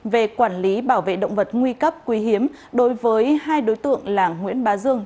về quản lý bảo vệ động vật nguy cấp quý hiếm đối với hai đối tượng là nguyễn bá dương